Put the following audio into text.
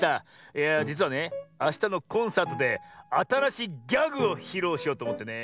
いやあじつはねあしたのコンサートであたらしいギャグをひろうしようとおもってね。